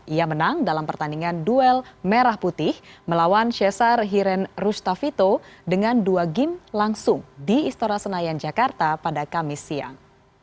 ia menang dalam pertandingan duel merah putih melawan cesar hiren rustavito dengan dua game langsung di istora senayan jakarta pada kamis siang